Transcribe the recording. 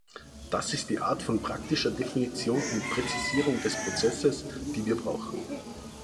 Das ist die Art von praktischer Definition und Präzisierung des Prozesses, die wir brauchen.